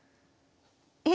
え